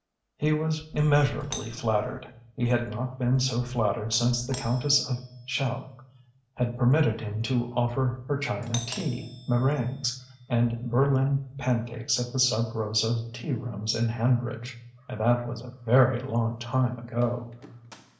He was immeasurably flattered. He had not been so flattered since the Countess of Chell had permitted him to offer her China tea, meringues, and Berlin pancakes at the Sub Rosa tea rooms in Hanbridge and that was a very long time ago.